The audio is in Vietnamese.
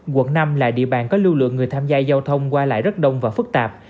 quận năm là địa bàn có lưu lượng người tham gia giao thông qua lại rất đông và phức tạp